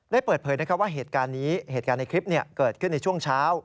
ได้เปิดเผยว่าเหตุการณ์ในคลิปเกิดขึ้นในช่วงเช้า